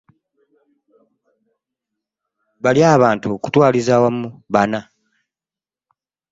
Bali abantu kati okutwaliza awamu bana.